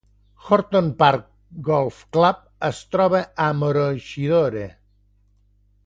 Horton Park Golf Club es troba a Maroochydore.